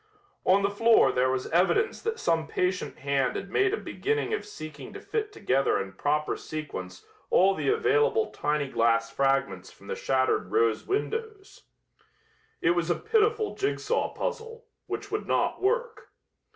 On the floor there was evidence that some patient hand had made a beginning of seeking to fit together in proper sequence all the available tiny glass fragments from the shattered rose windows. It was a pitiful jigsaw puzzle, which would not work.